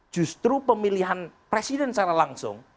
justru pemilihan presiden secara langsung